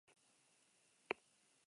Lamiaren orrazia ohostu nahi dut.